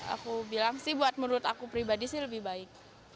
aku bilang sih buat menurut aku pribadi sih lebih baik